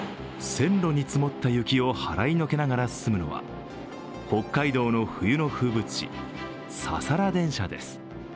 線路に積もった雪を払いのけながら進むのは北海道の冬の風物詩、ササラ電車です。